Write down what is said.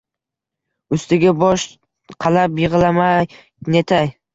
Ustiga tosh qalab, yig’lamay-netmay